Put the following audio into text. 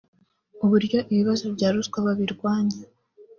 uburyo ibibazo bya ruswa babirwanya